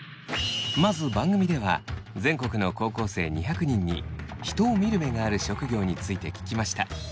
まず番組では全国の高校生２００人に人を見る目がある職業について聞きました。